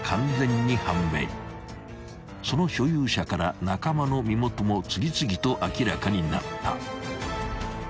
［その所有者から仲間の身元も次々と明らかになった］